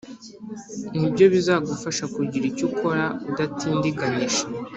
ni byo bizagufasha kugira icyo ukora udatindiganyije